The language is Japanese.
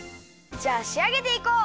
じゃあしあげていこう！